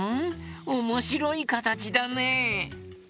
おもしろいかたちだね。